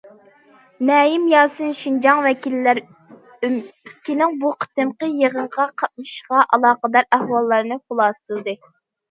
نەيىم ياسىن شىنجاڭ ۋەكىللەر ئۆمىكىنىڭ بۇ قېتىمقى يىغىنغا قاتنىشىشىغا ئالاقىدار ئەھۋاللارنى خۇلاسىلىدى.